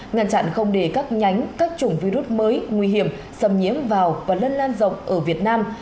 ngăn chặn không để các nhánh các chủng virus mới nguy hiểm xâm nhiễm vào và lân lan rộng ở việt nam